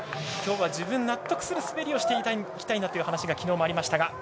今日は自分が納得する滑りをしていきたいんだという話が昨日もありましたが。